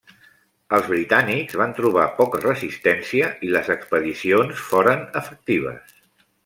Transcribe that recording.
Els britànics van trobar poca resistència i les expedicions foren efectives.